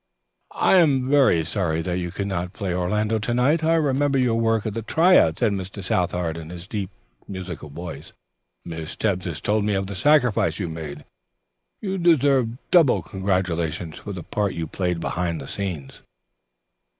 "I am very sorry that you could not play Orlando to night. I remember your work at the try out," said Mr. Southard in his deep, musical voice. "Miss Tebbs has told me of the sacrifice you made. You deserve double congratulations for the part you played behind the scenes."